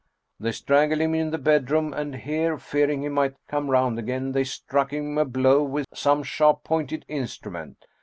" They strangled him in the bedroom ; and here, fear ing he might come round again, they struck him a blow with some sharp pointed instrument.